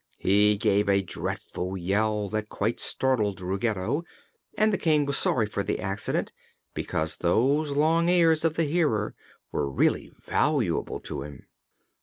He gave a dreadful yell that quite startled Ruggedo, and the King was sorry for the accident because those long ears of the Hearer were really valuable to him.